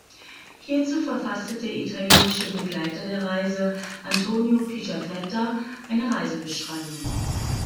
Hierzu verfasste der italienische Begleiter der Reise, Antonio Pigafetta, eine Reisebeschreibung.